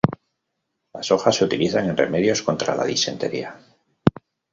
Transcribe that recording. Las hojas se utilizan en remedios contra la disentería.